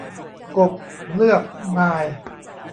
กบเลือกนาย